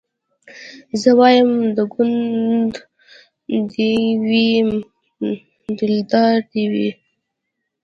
زه وايم د ګوند دي وي دلدار دي وي